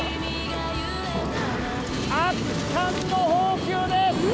圧巻の放鳩です！